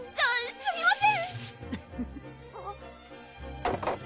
すみません！